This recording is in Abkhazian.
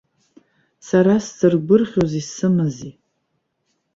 Сара сзыргәырӷьоз исымази?!